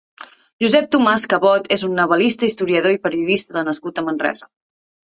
Josep Tomàs Cabot és un novel·lista, historiador i periodista nascut a Manresa.